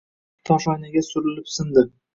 Toshoynaga urilib sindi